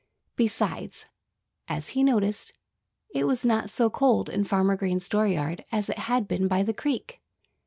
Besides, as he noticed, it was not so cold in Farmer Green's dooryard as it had been by the creek.